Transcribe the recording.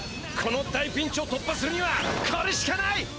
この大ピンチを突破するにはこれしかない！